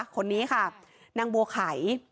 คนนี้ค่ะนางบัวไข่